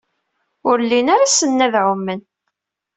Ur llin ara ssnen ad ɛumen.